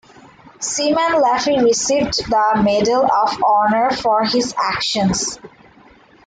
Seaman Laffey received the Medal of Honor for his actions.